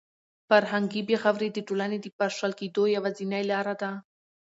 فرهنګي بې غوري د ټولنې د پاشل کېدو یوازینۍ لاره ده.